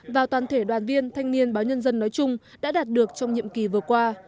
và toàn thể đoàn viên thanh niên báo nhân dân nói chung đã đạt được trong nhiệm kỳ vừa qua